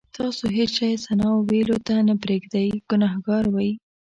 تاسې هېڅ شی ثنا ویلو ته نه پرېږدئ ګناهګار وئ.